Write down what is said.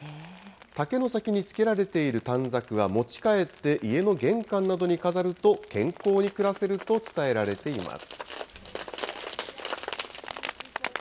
竹の先に付けられている短冊は持ち帰って、家の玄関などに飾ると、健康に暮らせると伝えられています。